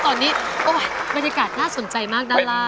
ตอนนี้บรรยากาศน่าสนใจมากด้านล่าง